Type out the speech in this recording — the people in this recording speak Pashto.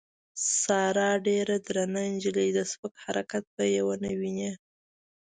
ساره ډېره درنه نجیلۍ ده سپک حرکت به یې ونه وینې.